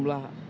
ya itu lah